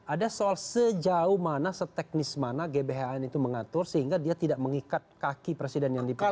ada soal sejauh mana seteknis mana gbhn itu mengatur sehingga dia tidak mengikat kaki presiden yang dipilih